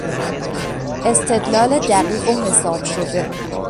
استدلال دقیق و حساب شده